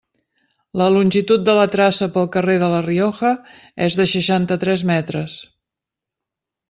La longitud de la traça pel carrer de La Rioja és de seixanta-tres metres.